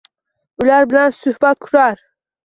Ular bilan suhbat kurar